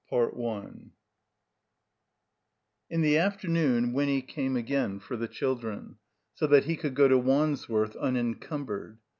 CHAPTER XXV IN the afternoon Winny came again for the chil dren, so that he could go to Wandsworth unen cumbered.